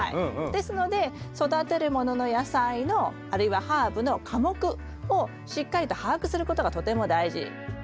ですので育てるものの野菜のあるいはハーブの科目をしっかりと把握することがとても大事。